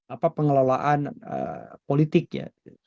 apa pengelolaan politik ya